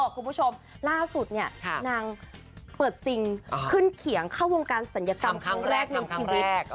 คุณผู้ชมล่าสุดเนี่ยนางเปิดจริงขึ้นเขียงเข้าวงการศัลยกรรมครั้งแรกในชีวิต